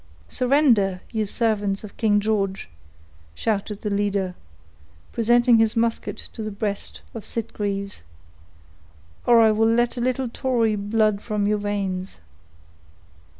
"Surrender! you servants of King George," shouted the leader, presenting his musket to the breast of Sitgreaves, "or I will let a little tory blood from your veins."